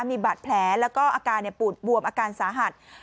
มีบาดแผลแล้วก็อาการปูดบวมอาการสาหัส